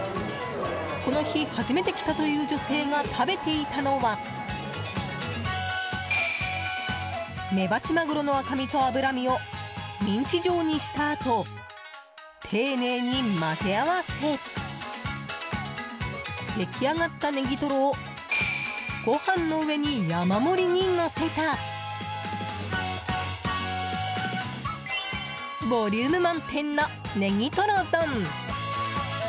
この日、初めて来たという女性が食べていたのはメバチマグロの赤身と脂身をミンチ状にしたあと丁寧に混ぜ合わせ出来上がったネギトロをご飯の上に山盛りにのせたボリューム満点のネギトロ丼。